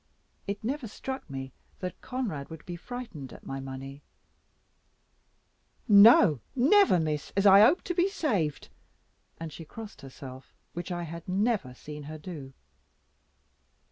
It never struck me that Conrad would be frightened at my money. "No, never, Miss, as I hope to be saved." And she crossed herself, which I had never seen her do.